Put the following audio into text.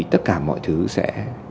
tất cả mọi thứ sẽ